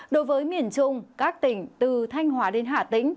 đối với miền trung các tỉnh từ thanh hóa đến hà tĩnh